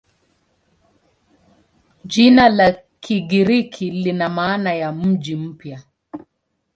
Jina la Kigiriki lina maana ya "mji mpya".